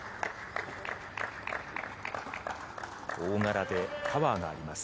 大柄でパワーがあります。